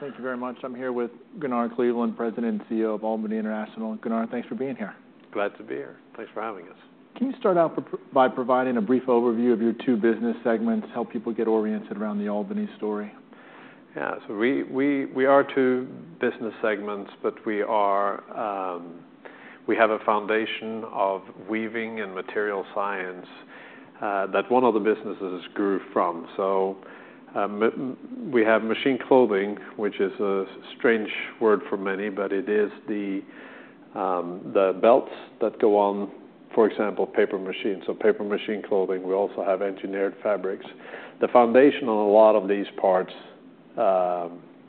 Thank you very much. I'm here with Gunnar Kleveland, President and CEO of Albany International. Gunnar, thanks for being here. Glad to be here. Thanks for having us. Can you start out by providing a brief overview of your two business segments, help people get oriented around the Albany story? Yeah. We are two business segments, but we have a foundation of weaving and material science that one of the businesses grew from. We have machine clothing, which is a strange word for many, but it is the belts that go on, for example, paper machines. Paper machine clothing. We also have engineered fabrics. The foundation on a lot of these parts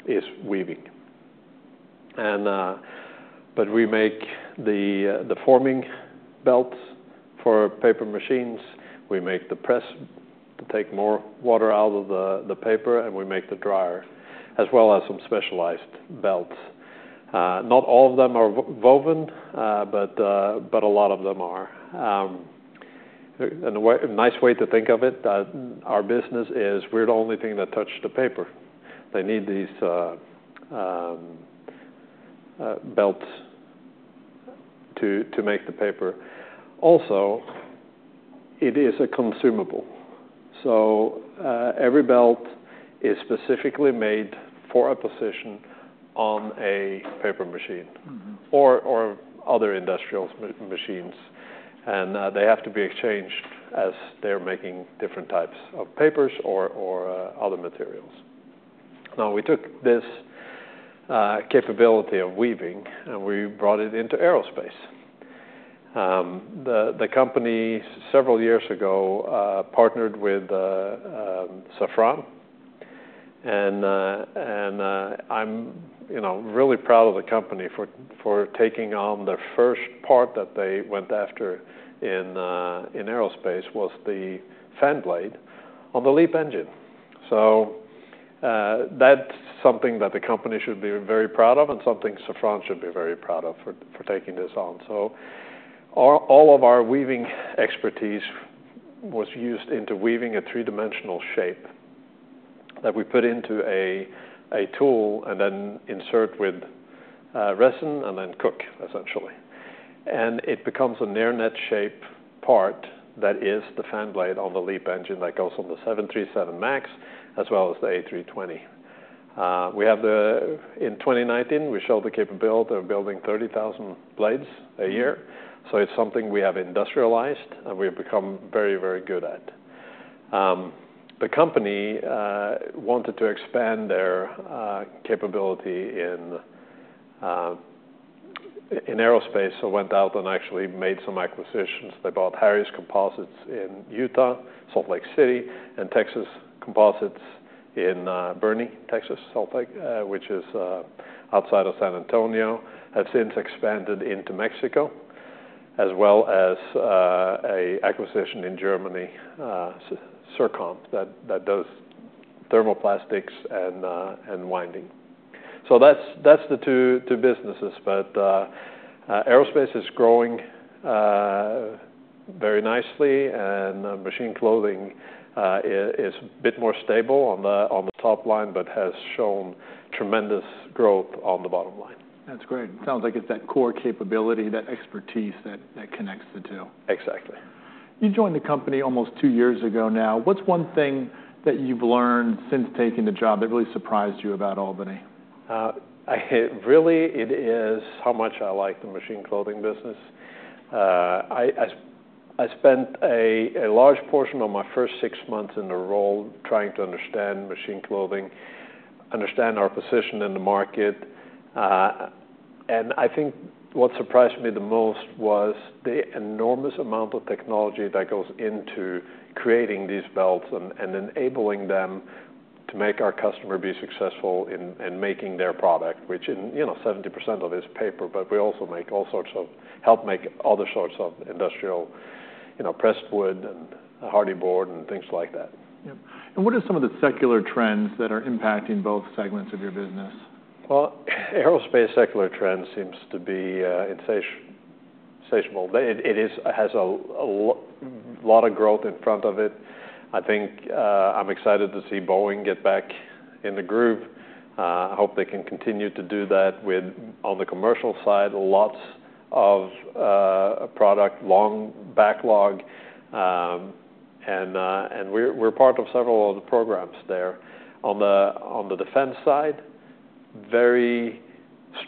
is weaving. We make the forming belts for paper machines. We make the press to take more water out of the paper, and we make the dryer, as well as some specialized belts. Not all of them are woven, but a lot of them are. A nice way to think of it, our business is we're the only thing that touched the paper. They need these belts to make the paper. Also, it is a consumable. Every belt is specifically made for a position on a paper machine or other industrial machines. They have to be exchanged as they're making different types of papers or other materials. We took this capability of weaving, and we brought it into aerospace. The company, several years ago, partnered with Safran. I'm really proud of the company for taking on their first part that they went after in aerospace, which was the fan blade on the LEAP engine. That's something that the company should be very proud of and something Safran should be very proud of for taking this on. All of our weaving expertise was used into weaving a three-dimensional shape that we put into a tool and then insert with resin and then cook, essentially. It becomes a near-net shape part that is the fan blade on the LEAP engine that goes on the 737 MAX, as well as the A320. In 2019, we showed the capability of building 30,000 blades a year. It is something we have industrialized, and we have become very, very good at. The company wanted to expand their capability in aerospace, so went out and actually made some acquisitions. They bought Harrier Composites in Utah, Salt Lake City, and Texas Composites in Bernie, Texas, which is outside of San Antonio. Have since expanded into Mexico, as well as an acquisition in Germany, SIRCOM, that does thermoplastics and winding. That is the two businesses. Aerospace is growing very nicely, and machine clothing is a bit more stable on the top line, but has shown tremendous growth on the bottom line. That's great. It sounds like it's that core capability, that expertise that connects the two. Exactly. You joined the company almost two years ago now. What's one thing that you've learned since taking the job that really surprised you about Albany? Really, it is how much I like the Machine Clothing business. I spent a large portion of my first six months in the role trying to understand Machine Clothing, understand our position in the market. I think what surprised me the most was the enormous amount of technology that goes into creating these belts and enabling them to make our customer be successful in making their product, which 70% of it is paper. We also help make other sorts of industrial pressed wood and hardy board and things like that. What are some of the secular trends that are impacting both segments of your business? Aerospace secular trend seems to be insatiable. It has a lot of growth in front of it. I think I'm excited to see Boeing get back in the groove. I hope they can continue to do that on the commercial side, lots of product, long backlog. We are part of several of the programs there. On the defense side, very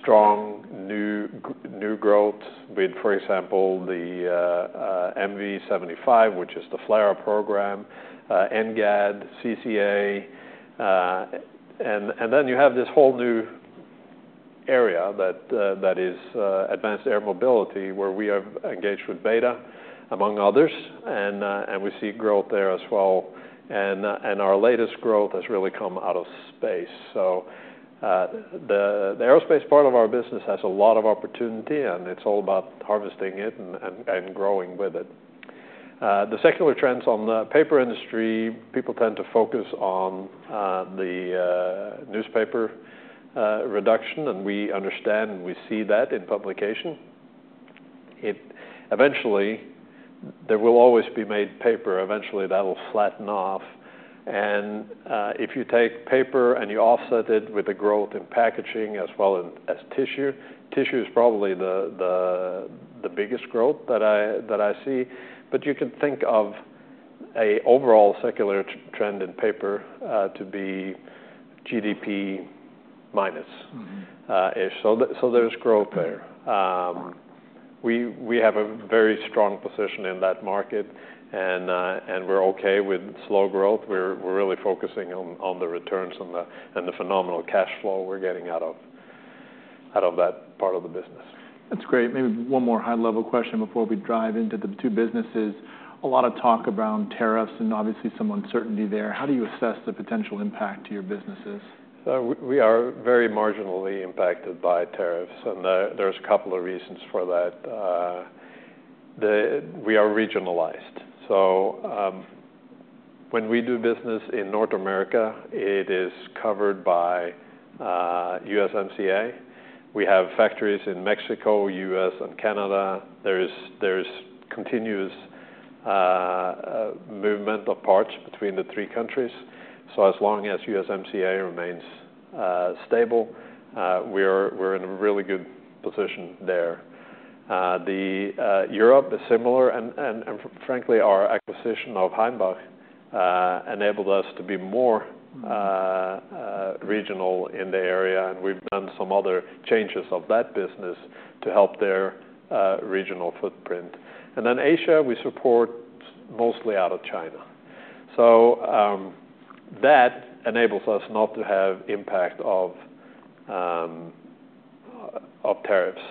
strong new growth. For example, the MV-75, which is the FLAIR program, NGAD, CCA. You have this whole new area that is advanced air mobility, where we are engaged with Beta, among others. We see growth there as well. Our latest growth has really come out of space. The aerospace part of our business has a lot of opportunity, and it's all about harvesting it and growing with it. The secular trends on the paper industry, people tend to focus on the newspaper reduction. We understand and we see that in publication. Eventually, there will always be made paper. Eventually, that will flatten off. If you take paper and you offset it with the growth in packaging as well as tissue, tissue is probably the biggest growth that I see. You can think of an overall secular trend in paper to be GDP minus-ish. There is growth there. We have a very strong position in that market, and we're okay with slow growth. We're really focusing on the returns and the phenomenal cash flow we're getting out of that part of the business. That's great. Maybe one more high-level question before we drive into the two businesses. A lot of talk around tariffs and obviously some uncertainty there. How do you assess the potential impact to your businesses? We are very marginally impacted by tariffs. And there's a couple of reasons for that. We are regionalized. So when we do business in North America, it is covered by USMCA. We have factories in Mexico, U.S., and Canada. There's continuous movement of parts between the three countries. So as long as USMCA remains stable, we're in a really good position there. Europe is similar. And frankly, our acquisition of Heimbach enabled us to be more regional in the area. And we've done some other changes of that business to help their regional footprint. And then Asia, we support mostly out of China. So that enables us not to have impact of tariffs.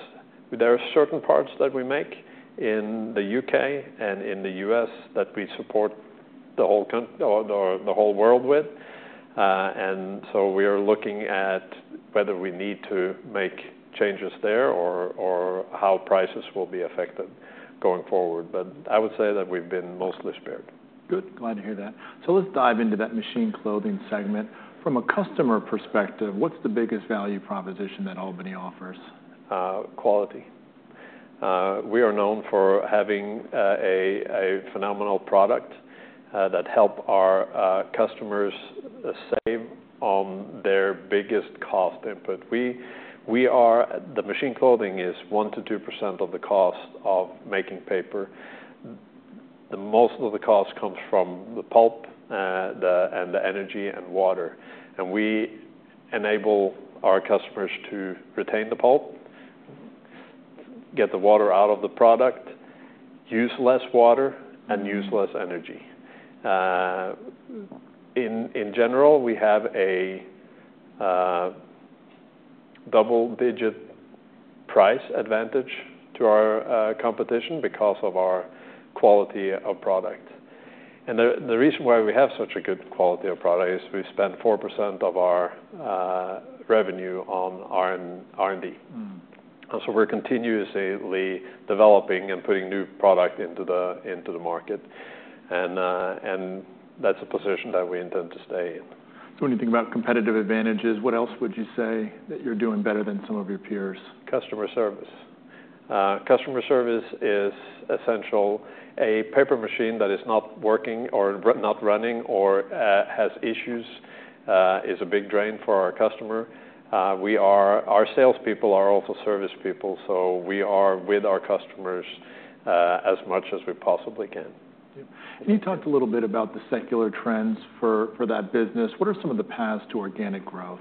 There are certain parts that we make in the U.K. and in the U.S. that we support the whole world with. We are looking at whether we need to make changes there or how prices will be affected going forward. I would say that we've been mostly spared. Good. Glad to hear that. Let's dive into that machine clothing segment. From a customer perspective, what's the biggest value proposition that Albany offers? Quality. We are known for having a phenomenal product that helps our customers save on their biggest cost input. The machine clothing is 1%-2% of the cost of making paper. Most of the cost comes from the pulp and the energy and water. We enable our customers to retain the pulp, get the water out of the product, use less water, and use less energy. In general, we have a double-digit price advantage to our competition because of our quality of product. The reason why we have such a good quality of product is we spend 4% of our revenue on R&D. We are continuously developing and putting new product into the market. That is a position that we intend to stay in. When you think about competitive advantages, what else would you say that you're doing better than some of your peers? Customer service. Customer service is essential. A paper machine that is not working or not running or has issues is a big drain for our customer. Our salespeople are also service people. We are with our customers as much as we possibly can. You talked a little bit about the secular trends for that business. What are some of the paths to organic growth?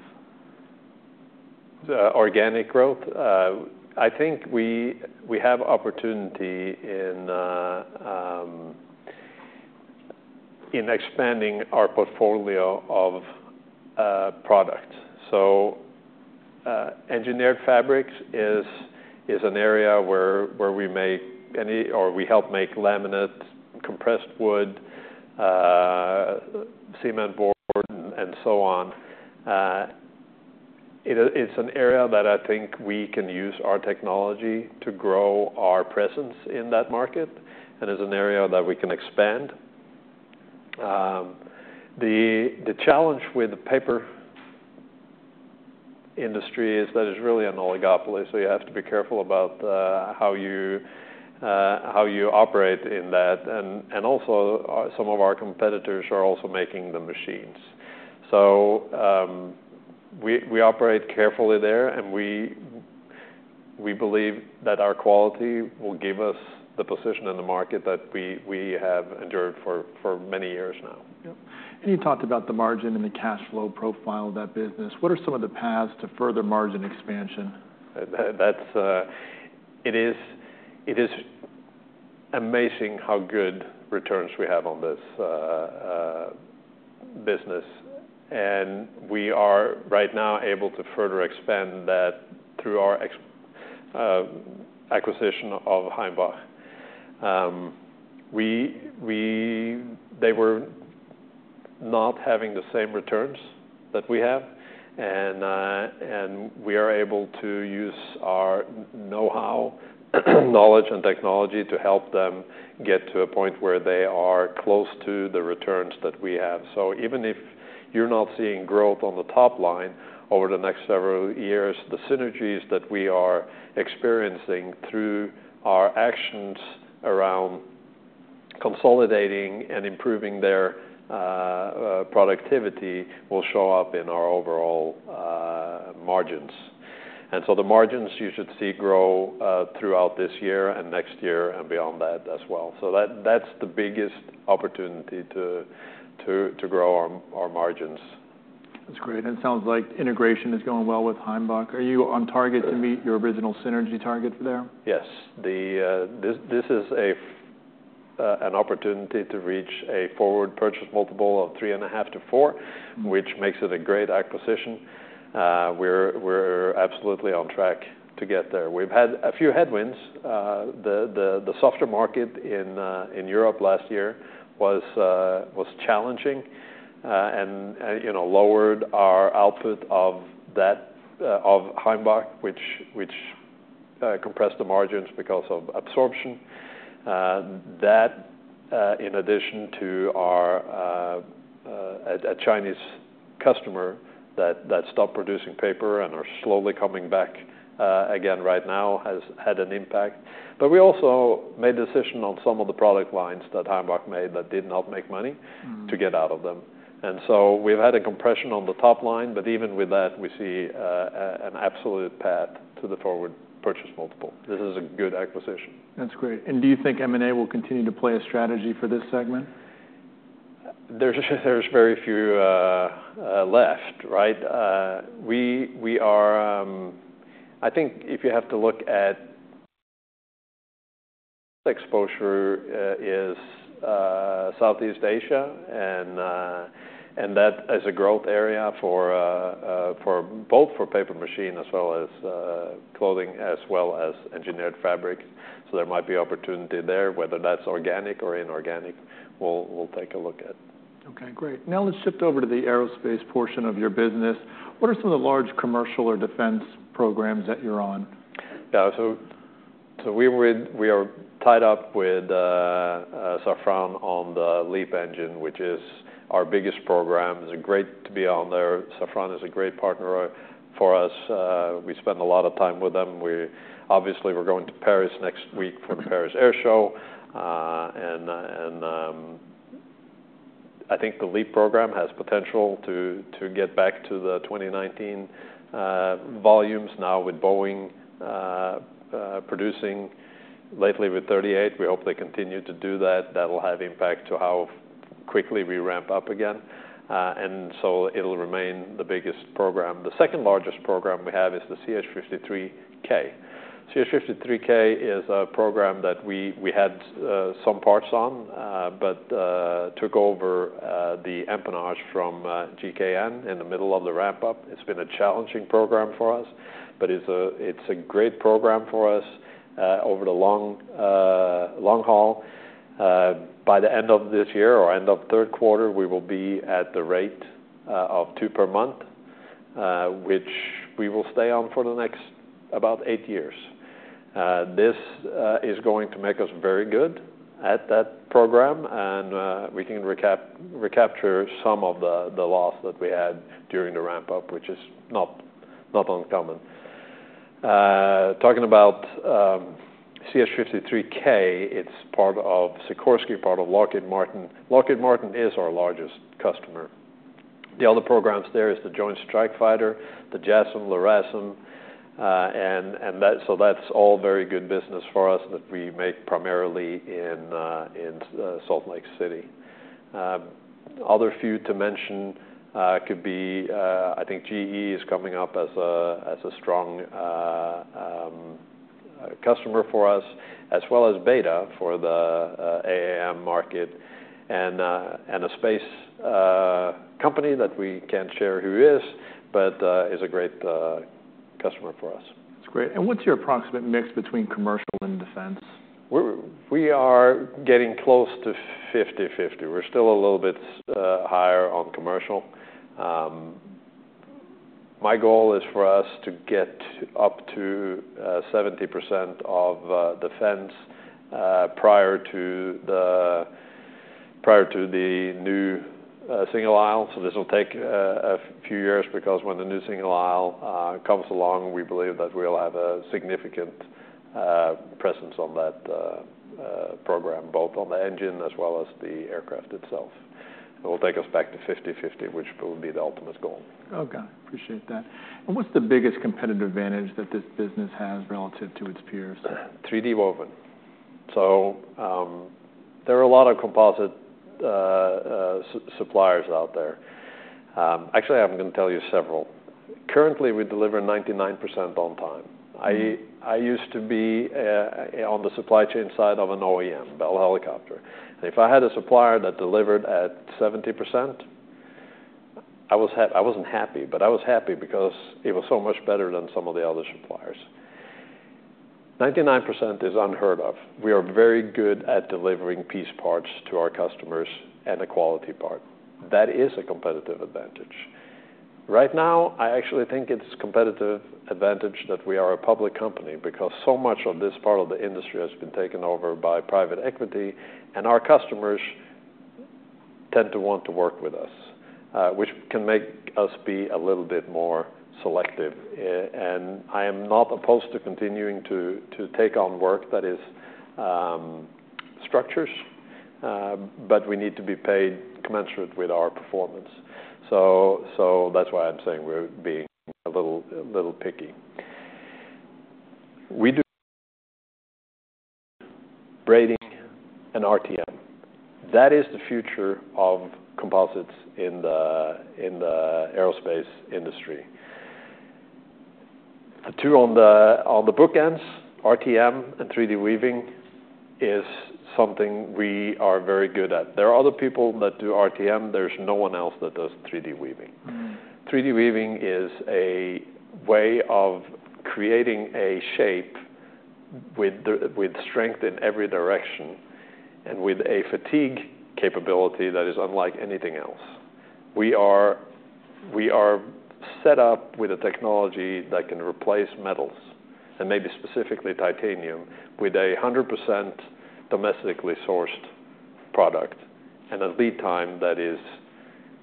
Organic growth? I think we have opportunity in expanding our portfolio of products. Engineered fabrics is an area where we make or we help make laminate, compressed wood, cement board, and so on. It's an area that I think we can use our technology to grow our presence in that market and is an area that we can expand. The challenge with the paper industry is that it's really an oligopoly. You have to be careful about how you operate in that. Also, some of our competitors are also making the machines. We operate carefully there. We believe that our quality will give us the position in the market that we have endured for many years now. You talked about the margin and the cash flow profile of that business. What are some of the paths to further margin expansion? It is amazing how good returns we have on this business. We are right now able to further expand that through our acquisition of Heimbach. They were not having the same returns that we have. We are able to use our know-how, knowledge, and technology to help them get to a point where they are close to the returns that we have. Even if you're not seeing growth on the top line over the next several years, the synergies that we are experiencing through our actions around consolidating and improving their productivity will show up in our overall margins. The margins you should see grow throughout this year and next year and beyond that as well. That is the biggest opportunity to grow our margins. That's great. It sounds like integration is going well with Heimbach. Are you on target to meet your original synergy target there? Yes. This is an opportunity to reach a forward purchase multiple of 3.5-4, which makes it a great acquisition. We're absolutely on track to get there. We've had a few headwinds. The softer market in Europe last year was challenging and lowered our output of Heimbach, which compressed the margins because of absorption. That, in addition to a Chinese customer that stopped producing paper and are slowly coming back again right now, has had an impact. We also made a decision on some of the product lines that Heimbach made that did not make money to get out of them. We have had a compression on the top line. Even with that, we see an absolute path to the forward purchase multiple. This is a good acquisition. That's great. Do you think M&A will continue to play a strategy for this segment? There's very few left, right? I think if you have to look at exposure, it is Southeast Asia. That is a growth area both for paper machine as well as clothing, as well as engineered fabric. There might be opportunity there. Whether that's organic or inorganic, we'll take a look at. OK, great. Now let's shift over to the aerospace portion of your business. What are some of the large commercial or defense programs that you're on? Yeah. So we are tied up with Safran on the LEAP engine, which is our biggest program. It's great to be on there. Safran is a great partner for us. We spend a lot of time with them. Obviously, we're going to Paris next week for the Paris Air Show. I think the LEAP program has potential to get back to the 2019 volumes now with Boeing producing lately with 38. We hope they continue to do that. That'll have impact to how quickly we ramp up again. It'll remain the biggest program. The second largest program we have is the CH-53K. CH-53K is a program that we had some parts on but took over the empennage from GKN in the middle of the ramp-up. It's been a challenging program for us, but it's a great program for us over the long haul. By the end of this year or end of third quarter, we will be at the rate of two per month, which we will stay on for the next about eight years. This is going to make us very good at that program. We can recapture some of the loss that we had during the ramp-up, which is not uncommon. Talking about CH-53K, it is part of Sikorsky, part of Lockheed Martin. Lockheed Martin is our largest customer. The other programs there are the Joint Strike Fighter, the JASSM, LRASM. That is all very good business for us that we make primarily in Salt Lake City. Other few to mention could be, I think, GE is coming up as a strong customer for us, as well as Beta for the AAM market. A space company that we cannot share who is, but is a great customer for us. That's great. What's your approximate mix between commercial and defense? We are getting close to 50/50. We're still a little bit higher on commercial. My goal is for us to get up to 70% of defense prior to the new single aisle. This will take a few years because when the new single aisle comes along, we believe that we'll have a significant presence on that program, both on the engine as well as the aircraft itself. It will take us back to 50/50, which will be the ultimate goal. OK. Appreciate that. What's the biggest competitive advantage that this business has relative to its peers? 3D woven. There are a lot of composite suppliers out there. Actually, I'm going to tell you several. Currently, we deliver 99% on time. I used to be on the supply chain side of an OEM, Bell Helicopter. If I had a supplier that delivered at 70%, I wasn't happy. I was happy because it was so much better than some of the other suppliers. 99% is unheard of. We are very good at delivering piece parts to our customers and a quality part. That is a competitive advantage. Right now, I actually think it's a competitive advantage that we are a public company because so much of this part of the industry has been taken over by private equity. Our customers tend to want to work with us, which can make us be a little bit more selective. I am not opposed to continuing to take on work that is structures. We need to be paid commensurate with our performance. That is why I am saying we are being a little picky. We do braiding and RTM. That is the future of composites in the aerospace industry. The two on the bookends, RTM and 3D weaving, is something we are very good at. There are other people that do RTM. There is no one else that does 3D weaving. 3D weaving is a way of creating a shape with strength in every direction and with a fatigue capability that is unlike anything else. We are set up with a technology that can replace metals, and maybe specifically titanium, with a 100% domestically sourced product and a lead time that is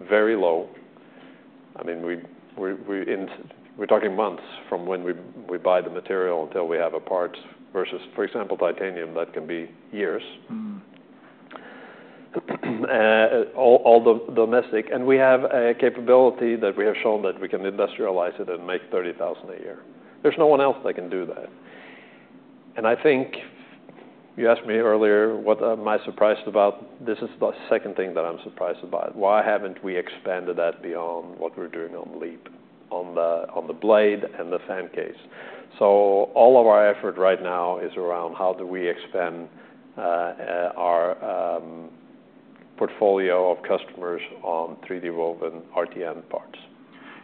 very low. I mean, we're talking months from when we buy the material until we have a part versus, for example, titanium that can be years, all domestic. We have a capability that we have shown that we can industrialize it and make 30,000 a year. There's no one else that can do that. I think you asked me earlier what am I surprised about. This is the second thing that I'm surprised about. Why haven't we expanded that beyond what we're doing on LEAP, on the blade and the fan case? All of our effort right now is around how do we expand our portfolio of customers on 3D woven RTM parts.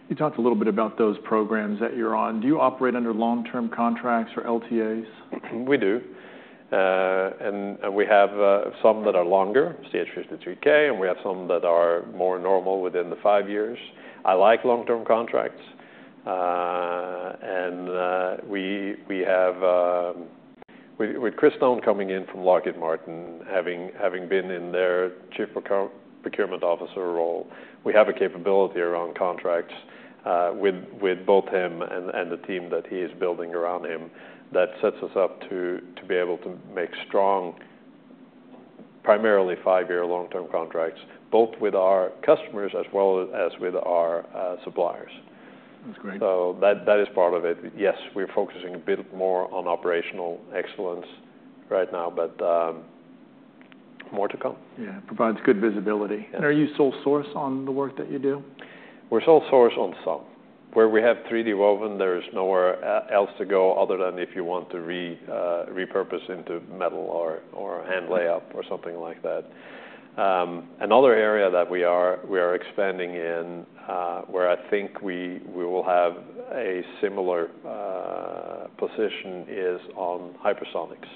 You talked a little bit about those programs that you're on. Do you operate under long-term contracts or LTAs? We do. We have some that are longer, CH-53K. We have some that are more normal within the five years. I like long-term contracts. With Kriston coming in from Lockheed Martin, having been in their Chief Procurement Officer role, we have a capability around contracts with both him and the team that he is building around him that sets us up to be able to make strong, primarily five-year long-term contracts, both with our customers as well as with our suppliers. That's great. That is part of it. Yes, we're focusing a bit more on operational excellence right now, but more to come. Yeah, it provides good visibility. Are you sole source on the work that you do? We're sole source on some. Where we have 3D woven, there is nowhere else to go other than if you want to repurpose into metal or hand layup or something like that. Another area that we are expanding in where I think we will have a similar position is on hypersonics.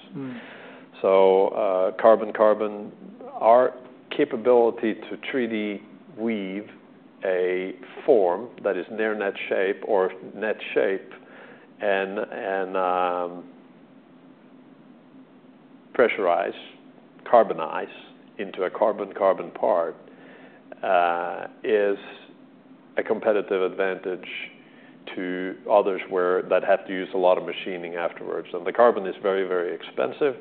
Carbon-carbon, our capability to 3D weave a form that is near net shape or net shape and pressurize, carbonize into a carbon-carbon part is a competitive advantage to others that have to use a lot of machining afterwards. The carbon is very, very expensive.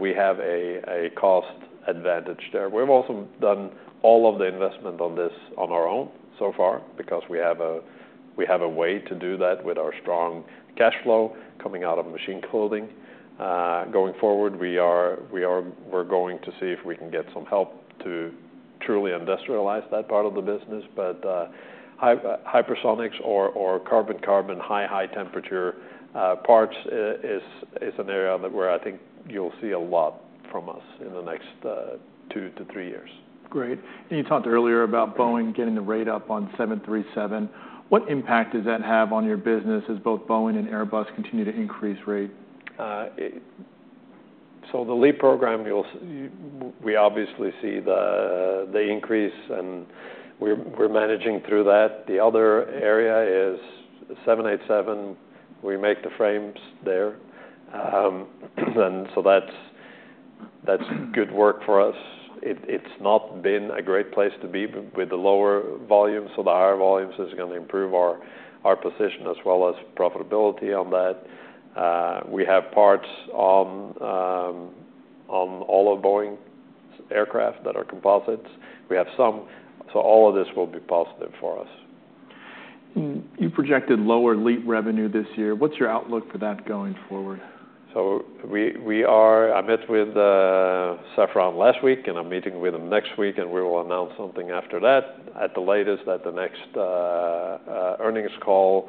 We have a cost advantage there. We've also done all of the investment on this on our own so far because we have a way to do that with our strong cash flow coming out of machine clothing. Going forward, we're going to see if we can get some help to truly industrialize that part of the business. Hypersonics or carbon-carbon, high, high temperature parts is an area where I think you'll see a lot from us in the next two to three years. Great. You talked earlier about Boeing getting the rate up on 737. What impact does that have on your business as both Boeing and Airbus continue to increase rate? The LEAP program, we obviously see the increase. We're managing through that. The other area is 787. We make the frames there. That's good work for us. It's not been a great place to be with the lower volume. The higher volumes are going to improve our position as well as profitability on that. We have parts on all of Boeing's aircraft that are composites. We have some. All of this will be positive for us. You projected lower LEAP revenue this year. What's your outlook for that going forward? I met with Safran last week. I'm meeting with them next week. We will announce something after that. At the latest, at the next earnings call,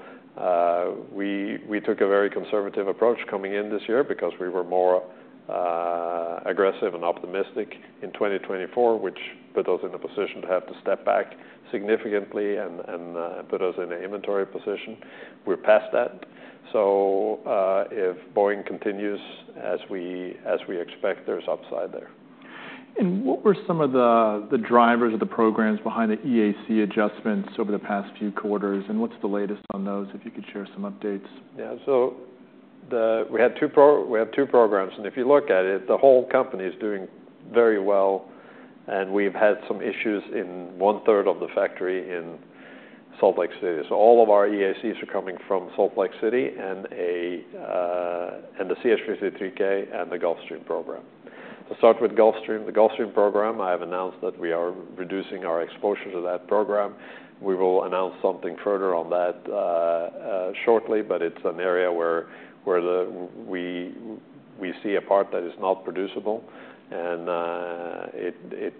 we took a very conservative approach coming in this year because we were more aggressive and optimistic in 2024, which put us in a position to have to step back significantly and put us in an inventory position. We're past that. If Boeing continues as we expect, there's upside there. What were some of the drivers of the programs behind the EAC adjustments over the past few quarters? What's the latest on those, if you could share some updates? Yeah. We have two programs. If you look at it, the whole company is doing very well. We've had some issues in one third of the factory in Salt Lake City. All of our EACs are coming from Salt Lake City and the CH-53K and the Gulfstream program. Start with Gulfstream. The Gulfstream program, I have announced that we are reducing our exposure to that program. We will announce something further on that shortly. It's an area where we see a part that is not producible. It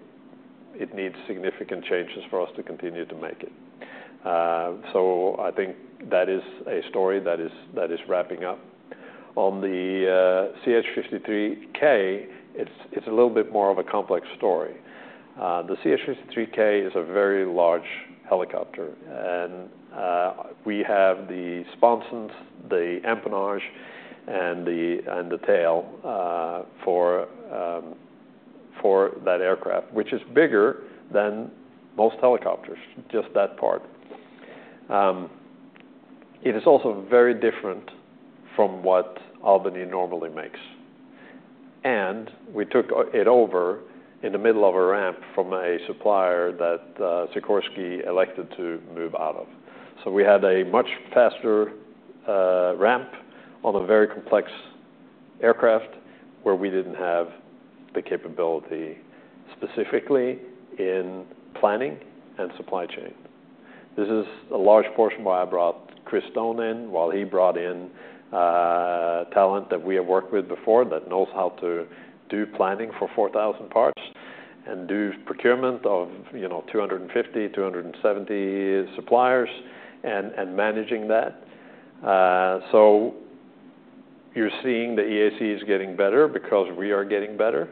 needs significant changes for us to continue to make it. I think that is a story that is wrapping up. On the CH-53K, it's a little bit more of a complex story. The CH-53K is a very large helicopter. We have the sponsons, the empennage, and the tail for that aircraft, which is bigger than most helicopters, just that part. It is also very different from what Albany normally makes. We took it over in the middle of a ramp from a supplier that Sikorsky elected to move out of. We had a much faster ramp on a very complex aircraft where we did not have the capability specifically in planning and supply chain. This is a large portion why I brought Kriston in, while he brought in talent that we have worked with before that knows how to do planning for 4,000 parts and do procurement of 250, 270 suppliers and managing that. You are seeing the EACs getting better because we are getting better.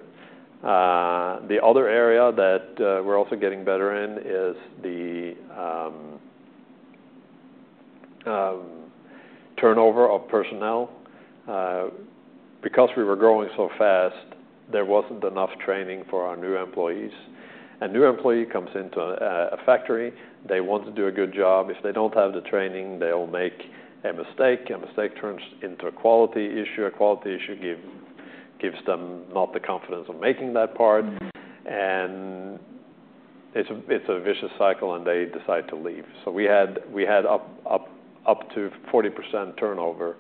The other area that we are also getting better in is the turnover of personnel. Because we were growing so fast, there was not enough training for our new employees. A new employee comes into a factory. They want to do a good job. If they do not have the training, they will make a mistake. A mistake turns into a quality issue. A quality issue gives them not the confidence of making that part. It is a vicious cycle. They decide to leave. We had up to 40% turnover,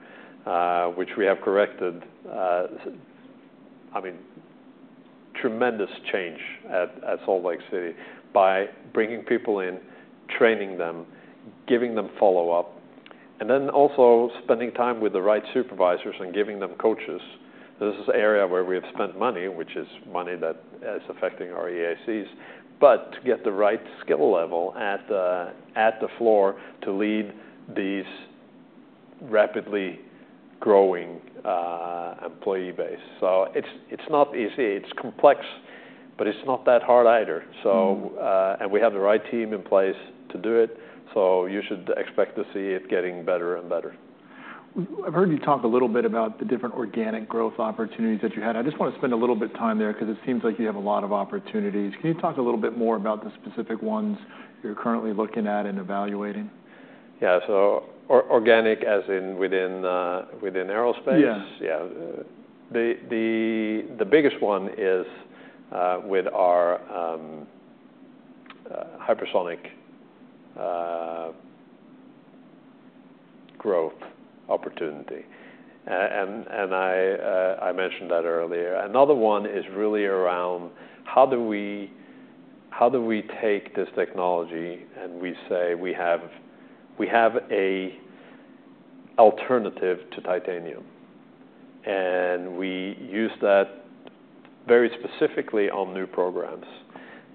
which we have corrected. I mean, tremendous change at Salt Lake City by bringing people in, training them, giving them follow-up, and also spending time with the right supervisors and giving them coaches. This is an area where we have spent money, which is money that is affecting our EACs, but to get the right skill level at the floor to lead this rapidly growing employee base. It is not easy. It is complex. It is not that hard either. We have the right team in place to do it. You should expect to see it getting better and better. I've heard you talk a little bit about the different organic growth opportunities that you had. I just want to spend a little bit of time there because it seems like you have a lot of opportunities. Can you talk a little bit more about the specific ones you're currently looking at and evaluating? Yeah. So organic as in within aerospace? Yeah. Yeah. The biggest one is with our hypersonic growth opportunity. I mentioned that earlier. Another one is really around how do we take this technology and we say we have an alternative to titanium. We use that very specifically on new programs.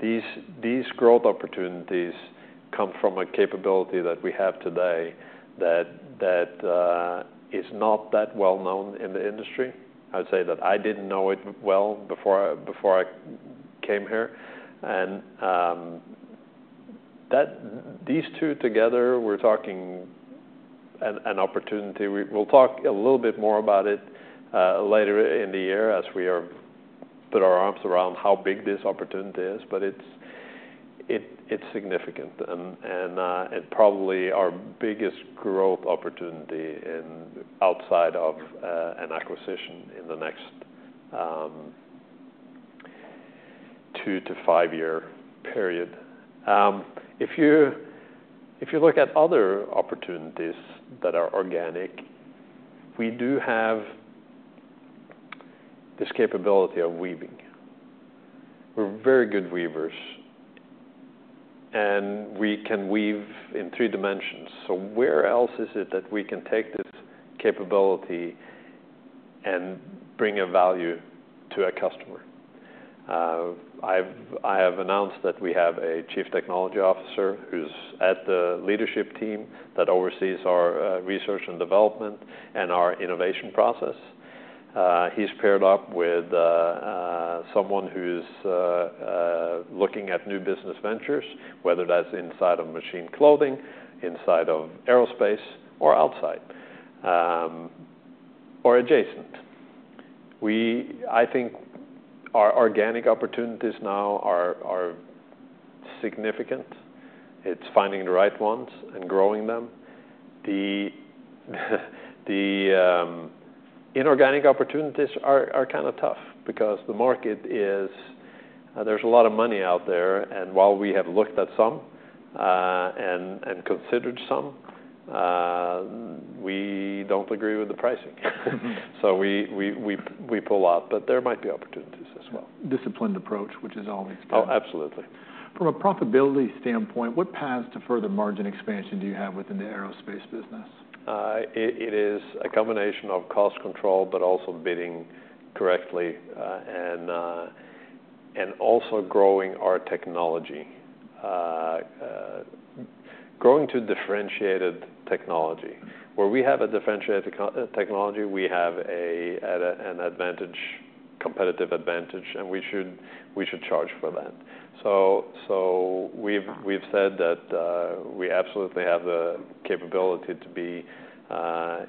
These growth opportunities come from a capability that we have today that is not that well known in the industry. I would say that I did not know it well before I came here. These two together, we are talking an opportunity. We will talk a little bit more about it later in the year as we put our arms around how big this opportunity is. It is significant. Probably our biggest growth opportunity outside of an acquisition in the next two- to five-year period. If you look at other opportunities that are organic, we do have this capability of weaving. We are very good weavers. We can weave in three dimensions. Where else is it that we can take this capability and bring a value to a customer? I have announced that we have a Chief Technology Officer who's at the leadership team that oversees our research and development and our innovation process. He's paired up with someone who's looking at new business ventures, whether that's inside of Machine Clothing, inside of aerospace, or outside or adjacent. I think our organic opportunities now are significant. It's finding the right ones and growing them. The inorganic opportunities are kind of tough because the market is there's a lot of money out there. While we have looked at some and considered some, we do not agree with the pricing. We pull out. There might be opportunities as well. Disciplined approach, which is always good. Oh, absolutely. From a profitability standpoint, what paths to further margin expansion do you have within the aerospace business? It is a combination of cost control, but also bidding correctly, and also growing our technology, growing to differentiated technology. Where we have a differentiated technology, we have an advantage, competitive advantage. We should charge for that. We have said that we absolutely have the capability to be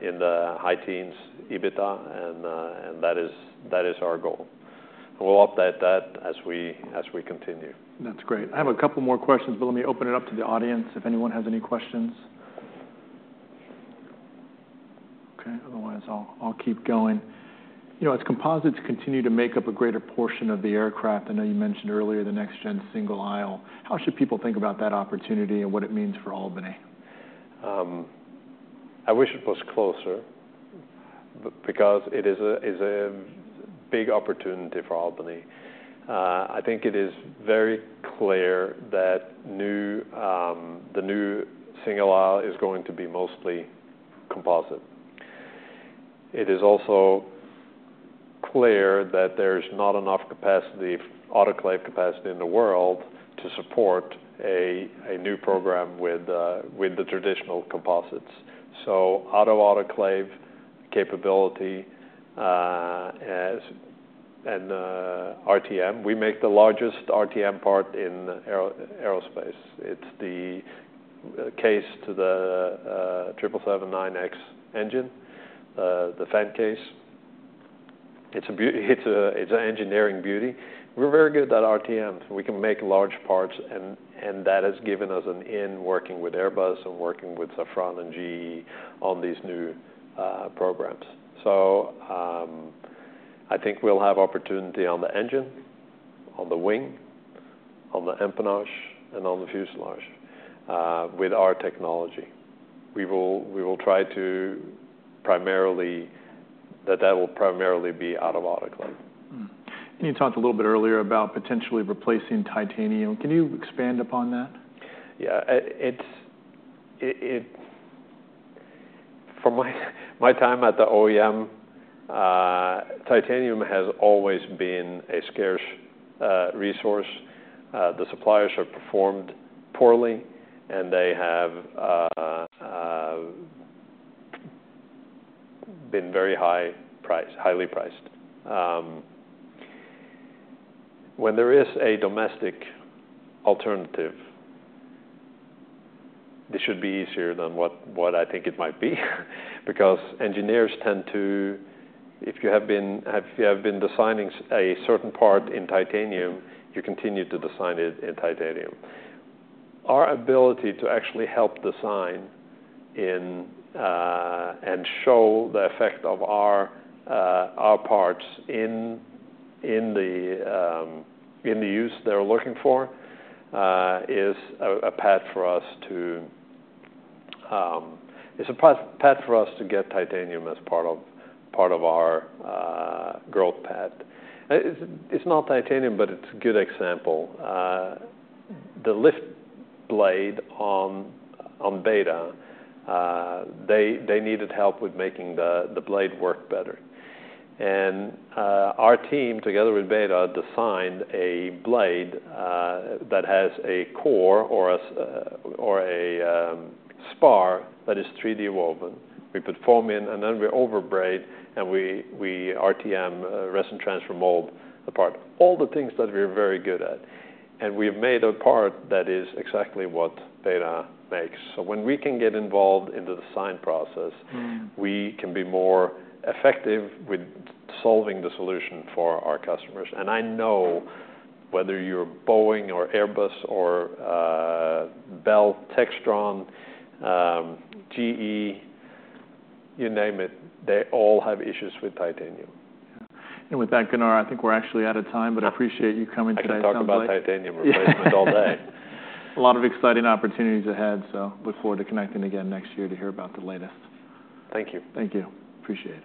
in the high teens, EBITDA. That is our goal. We will update that as we continue. That's great. I have a couple more questions. Let me open it up to the audience if anyone has any questions. Ok, otherwise, I'll keep going. As composites continue to make up a greater portion of the aircraft, I know you mentioned earlier the next-gen single aisle. How should people think about that opportunity and what it means for Albany? I wish it was closer because it is a big opportunity for Albany. I think it is very clear that the new single aisle is going to be mostly composite. It is also clear that there is not enough autoclave capacity in the world to support a new program with the traditional composites. So autoclave capability and RTM. We make the largest RTM part in aerospace. It is the case to the 777-9X engine, the fan case. It is an engineering beauty. We are very good at RTMs. We can make large parts. That has given us an in working with Airbus and working with Safran and GE on these new programs. I think we will have opportunity on the engine, on the wing, on the empennage, and on the fuselage with our technology. We will try to primarily, that will primarily be out of autoclave. You talked a little bit earlier about potentially replacing titanium. Can you expand upon that? Yeah. From my time at the OEM, titanium has always been a scarce resource. The suppliers have performed poorly. They have been very highly priced. When there is a domestic alternative, this should be easier than what I think it might be because engineers tend to, if you have been designing a certain part in titanium, you continue to design it in titanium. Our ability to actually help design and show the effect of our parts in the use they're looking for is a path for us to, it's a path for us to get titanium as part of our growth path. It's not titanium, but it's a good example. The lift blade on Beta, they needed help with making the blade work better. Our team, together with Beta, designed a blade that has a core or a spar that is 3D woven. We put foam in. We overbraid. We RTM, resin transfer mold the part, all the things that we are very good at. We have made a part that is exactly what Beta makes. When we can get involved in the design process, we can be more effective with solving the solution for our customers. I know whether you're Boeing or Airbus or Bell Textron, GE, you name it, they all have issues with titanium. With that, Gunnar, I think we're actually out of time. I appreciate you coming today. I can talk about titanium replacement all day. A lot of exciting opportunities ahead. Look forward to connecting again next year to hear about the latest. Thank you. Thank you. Appreciate it.